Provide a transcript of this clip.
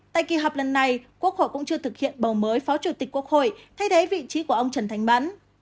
tại kỳ hợp lần này quốc hội cũng chưa thực hiện bầu mới phó chủ tịch quốc hội thay thế vị trí của ông trần thánh bắn